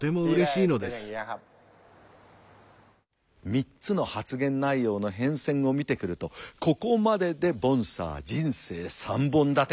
３つの発言内容の変遷を見てくるとここまででボンサー人生３本立て。